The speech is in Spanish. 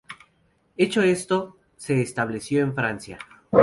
Hecho esto, se estableció en Francia.